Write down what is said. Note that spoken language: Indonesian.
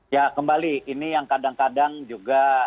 ya kembali ini yang kadang kadang juga